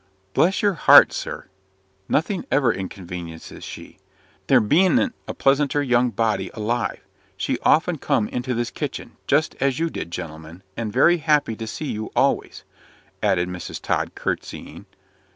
"Bless your heart, sir! nothing ever inconveniences she. There bean't a pleasanter young body alive. She'll often come into this kitchen just as you did, gentlemen, and very happy to see you always," added Mrs. Tod, curtseying.